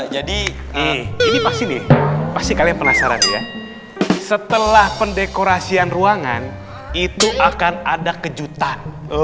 jadi ini pasti nih pasti kalian penasaran ya setelah pendekorasian ruangan itu akan ada kejutan